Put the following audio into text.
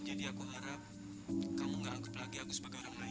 jadi aku harap kamu gak angkat lagi aku sebagai orang lain